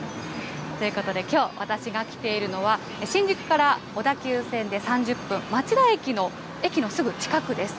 ということで、きょう私が来ているのは、新宿から小田急線で３０分、町田駅の駅のすぐ近くです。